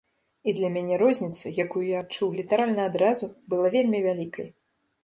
І для мяне розніца, якую я адчуў літаральна адразу, была вельмі вялікай.